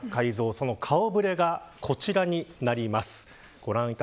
その顔触れがこちらになります。